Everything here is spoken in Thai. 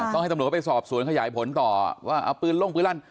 ต้องให้ตำรวจเขาไปสอบสวนขยายผลต่อว่าเอาปืนลงปืนลั่น